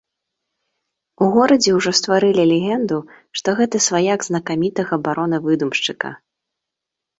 У горадзе ўжо стварылі легенду, што гэта сваяк знакамітага барона-выдумшчыка.